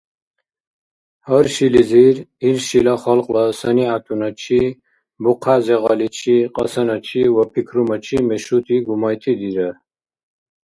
Гьар шилизир, ил шила халкьла санигӏятуначи, бухъя-зегъаличи, кьасаначи ва пикрумачи мешути гумайти дирар.